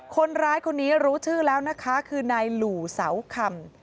คนร้ายคนนี้รู้ชื่อแล้วนะคะคือนายหลู่เสาคำ